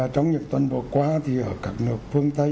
trong những tuần vừa qua thì ở các nước phương tây